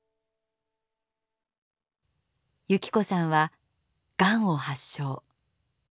有希子さんはがんを発症。